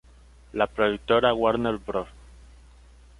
La productora Warner Bros.